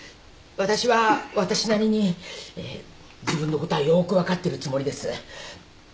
私は私なりに自分のことはよく分かってるつもりです。